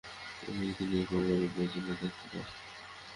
তিনি একটা কোম্পানী পরিচালনার দায়িত্ব পান।